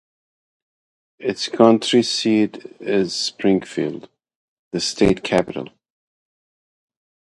Its county seat is Springfield, the state capital.